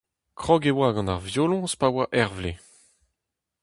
Krog e oa gant ar violoñs pa oa eizh vloaz.